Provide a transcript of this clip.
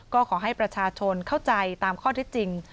ก็ขอให้ประชาชนเข้าใจตามข้อที่จริง